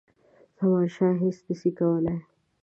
زمانشاه هیچ نه سي کولای.